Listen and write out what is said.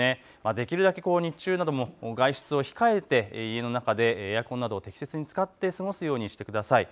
できるだけ日中なども外出を控えて家の中でエアコンなどを適切に使って過ごすようにしてください。